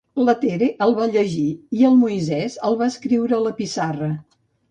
La Tere el va llegir i el Moisés el va escriure a la pissarra.